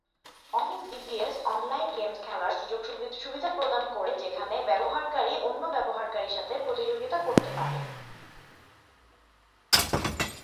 অনেক BBS online games খেলার সুবিধা প্রদান করে যেখানে ব্যবহারকারী অন্য ব্যবহারকারীর সাথে প্রতিযোগিতা করতে পারে।